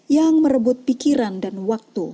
yang merebut pikiran dan waktu